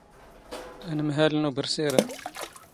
ⴰⵏⵎⵀⴰⵍ ⵏ ⵓⴱⵔⵙⵉⵔⴰ.